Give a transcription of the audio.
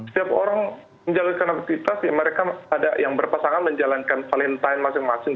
setiap orang menjalankan aktivitas ya mereka ada yang berpasangan menjalankan valentine masing masing